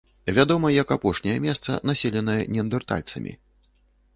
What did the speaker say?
Вядома як апошняе месца, населенае неандэртальцамі.